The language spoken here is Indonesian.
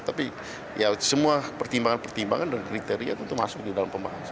tapi ya semua pertimbangan pertimbangan dan kriteria tentu masuk di dalam pembahasan